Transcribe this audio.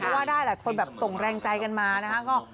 ก็ว่าได้หลายคนส่งแรงใจกันมานะครับ